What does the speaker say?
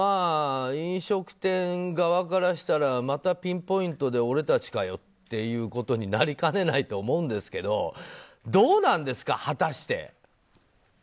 飲食店側からしたらまたピンポイントで俺たちかよということになりかねないと思うんですけどどうなんですか、果たして。